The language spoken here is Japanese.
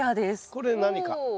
これ何か？